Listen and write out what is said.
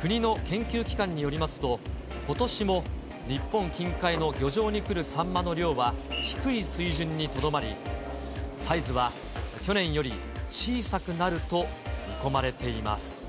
国の研究機関によりますと、ことしも日本近海の漁場に来るサンマの量は低い水準にとどまり、サイズは去年より小さくなると見込まれています。